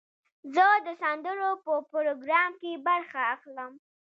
زه د سندرو په پروګرام کې برخه اخلم.